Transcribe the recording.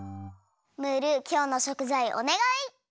ムールきょうのしょくざいおねがい！